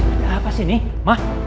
ada apa sih nih ma